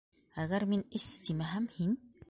Әгәр мин «эс» тимәһәм, һин...